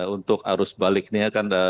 untuk arus balik ini